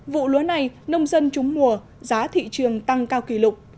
vụ lúa này nông dân trúng mùa giá thị trường tăng cao kỷ lục